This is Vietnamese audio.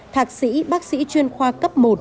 thạc sĩ bác sĩ chuyên khoa cấp một